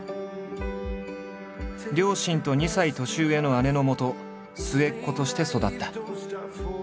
両親と２歳年上の姉のもと末っ子として育った。